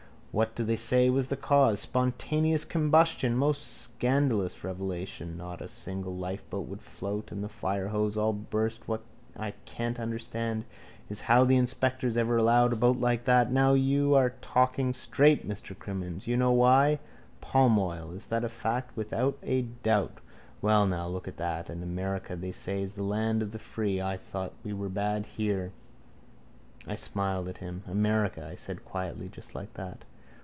What do they say was the cause? Spontaneous combustion. Most scandalous revelation. Not a single lifeboat would float and the firehose all burst. What I can't understand is how the inspectors ever allowed a boat like that... Now, you're talking straight, Mr Crimmins. You know why? Palm oil. Is that a fact? Without a doubt. Well now, look at that. And America they say is the land of the free. I thought we were bad here. I smiled at him. America, I said quietly, just like that.